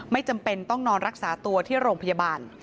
จำเป็นต้องนอนรักษาตัวที่โรงพยาบาล